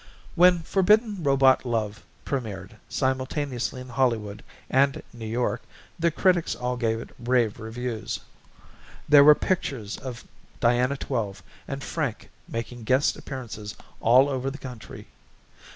When Forbidden Robot Love premiered simultaneously in Hollywood and New York the critics all gave it rave reviews. There were pictures of Diana Twelve and Frank making guest appearances all over the country.